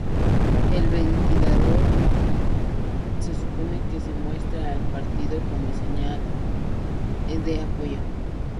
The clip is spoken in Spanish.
El ventilador se supone que se muestra al partido como señal de apoyo.